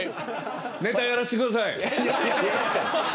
ネタをやらせてください。